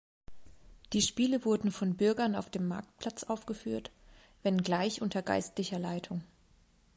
Die Spiele wurden von Bürgern auf dem Marktplatz aufgeführt, wenngleich unter geistlicher Leitung.